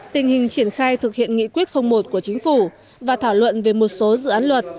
tình hình triển khai thực hiện nghị quyết một của chính phủ và thảo luận về một số dự án luật